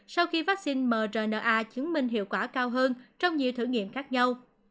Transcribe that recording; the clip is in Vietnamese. các vaccine mrna chứng minh hiệu quả cao hơn trong nhiều thử nghiệm khác nhau